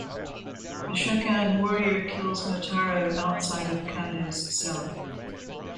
The Shokan warrior kills Motaro outside of Kano's cell.